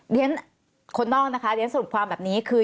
เพราะฉะนั้นคนนอกนะคะเพราะฉะนั้นสมมติความแบบนี้คือ